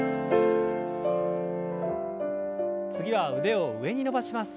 次は腕を上に伸ばします。